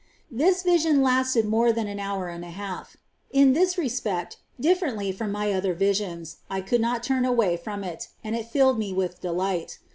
This vision lasted more than an hour and a half. In this respect — diflPerently ft^om my other visions — I could not turn away from it, and it filled me with delight.